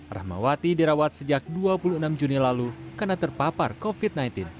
rahmawati dirawat sejak dua puluh enam juni lalu karena terpapar covid sembilan belas